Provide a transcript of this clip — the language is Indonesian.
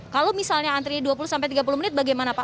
kalau misalnya antrinya dua puluh sampai tiga puluh menit bagaimana pak